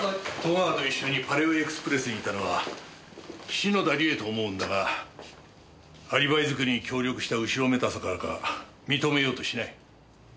戸川と一緒にパレオエクスプレスにいたのは篠田理恵と思うんだがアリバイ作りに協力した後ろめたさからか認めようとしない。